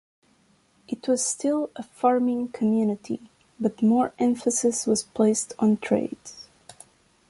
It was still a farming community but more emphasis was placed on trades.